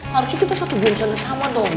harusnya kita satu jurusan sama dong